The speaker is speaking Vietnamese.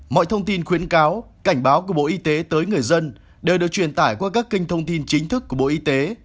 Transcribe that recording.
mọi thông tin khuyến cáo cảnh báo của bộ y tế tới người dân đều được truyền tải qua các kênh thông tin chính thức của bộ y tế